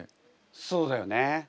そうだよね。